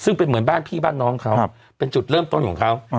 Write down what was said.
ซึ่งเป็นเหมือนบ้านพี่บ้านน้องเขาเป็นจุดเริ่มต้นของเขา